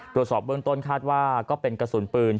ตรวจสอบเบื้องต้นคาดว่าก็เป็นกระสุนปืน